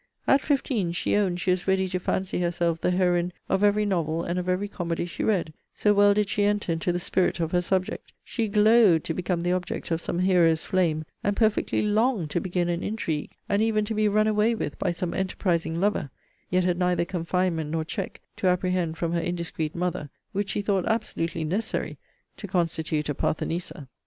At fifteen, she owned she was ready to fancy herself the heroine of every novel and of every comedy she read, so well did she enter into the spirit of her subject; she glowed to become the object of some hero's flame; and perfectly longed to begin an intrigue, and even to be run away with by some enterprising lover: yet had neither confinement nor check to apprehend from her indiscreet mother, which she thought absolutely necessary to constitute a Parthenissa!